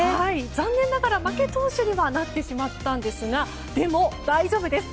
残念ながら負け投手にはなってしまったんですがでも、大丈夫です。